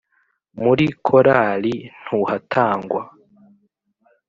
muri korali ntuhatangwa